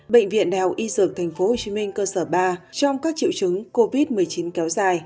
bệnh viện đại học y dược tp hcm cơ sở ba trong các triệu chứng covid một mươi chín kéo dài